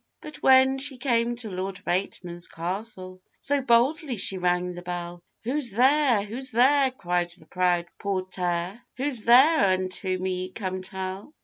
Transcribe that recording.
But when she came to Lord Bateman's castle, So boldly she rang the bell; 'Who's there? who's there?' cried the proud portèr, 'Who's there? unto me come tell.